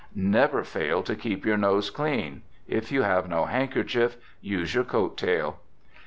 Never fail to keep your nose clean. If you have no handkerchief, use your coat tail.